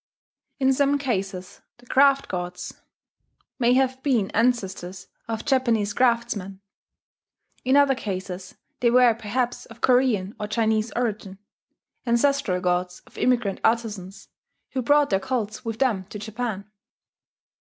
In some cases the craft gods may have been ancestors of Japanese craftsmen; in other cases they were perhaps of Korean or Chinese origin, ancestral gods of immigrant artizans, who brought their cults with them to Japan.